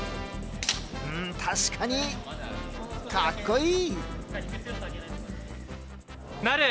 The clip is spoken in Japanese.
うん確かにかっこいい！